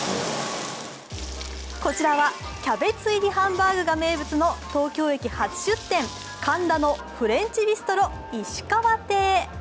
こちらはキャベツ入りハンバーグが名物の東京駅初出店、神田のフレンチビストロ、石川亭。